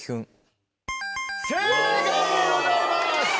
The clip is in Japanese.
正解でございます。